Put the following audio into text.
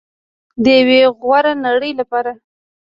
د یوې غوره نړۍ لپاره.